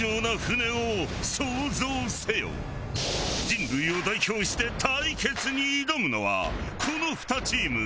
人類を代表して対決に挑むのはこの２チーム。